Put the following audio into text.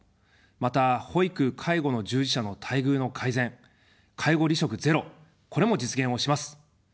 また、保育・介護の従事者の待遇の改善、介護離職ゼロ、これも実現をします。